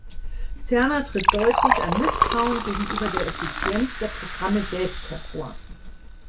Ferner tritt deutlich ein Misstrauen gegenüber der Effizienz der Programme selbst hervor.